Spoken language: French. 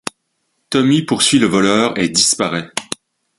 Tommy poursuit le voleur et disparaît.